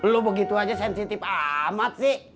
lu begitu aja sensitif amat sih